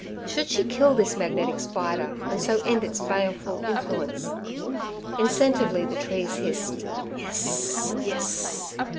Should she kill this magnetic spider, and so end its baleful influence? Incentively the trees hissed 'Yes, yes.'